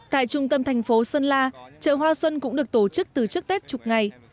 tại trung tâm thành phố sơn la chợ hoa xuân cũng được tổ chức từ trước tết chục ngày